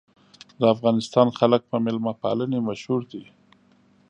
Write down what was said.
د افغانستان خلک په میلمه پالنې مشهور دي.